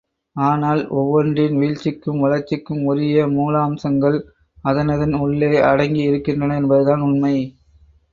ஆனால், ஒவ்வொன்றின் வீழ்ச்சிக்கும், வளர்ச்சிக்கும் உரிய மூலாம்சங்கள், அதனதன் உள்ளே அடங்கி இருக்கின்றன என்பதுதான் உண்மை.